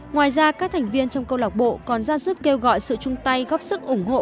ngoài ra các thành viên trong câu lạc bộ còn ra sức kêu gọi sự chung tay góp sức ủng hộ